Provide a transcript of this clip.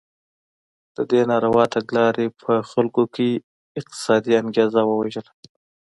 دغې ناروا تګلارې په خلکو کې اقتصادي انګېزه ووژله.